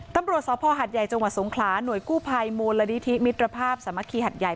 ตำรวจสภหัดใหญ่จังหวัดสงขลาหน่วยกู้ภัยมูลนิธิมิตรภาพสามัคคีหัดใหญ่